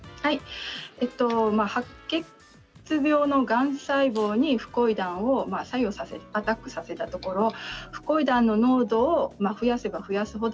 白血病のがん細胞にフコイダンを作用させるアタックさせたところフコイダンの濃度を増やせば増やすほど